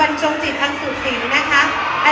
บรรชงจิตอังสุภี